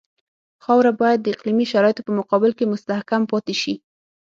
خاوره باید د اقلیمي شرایطو په مقابل کې مستحکم پاتې شي